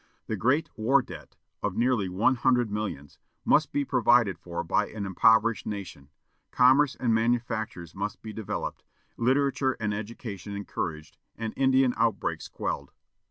The great war debt, of nearly one hundred millions, must be provided for by an impoverished nation; commerce and manufactures must be developed; literature and education encouraged, and Indian outbreaks quelled.